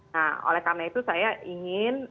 nah oleh karena itu saya ingin